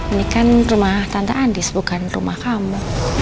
ini kan rumah tante andis bukan rumah kamu